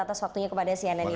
atas waktunya kepada cnn indonesia